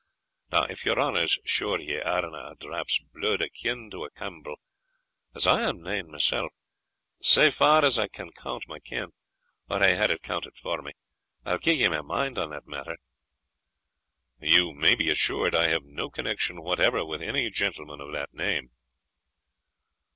Now, if your honour's sure ye arena a drap's bluid a kin to a Campbell, as I am nane mysell, sae far as I can count my kin, or hae had it counted to me, I'll gie ye my mind on that matter." "You may be assured I have no connection whatever with any gentleman of the name."